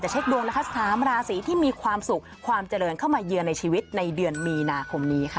แต่เช็คดวงนะคะ๓ราศีที่มีความสุขความเจริญเข้ามาเยือนในชีวิตในเดือนมีนาคมนี้ค่ะ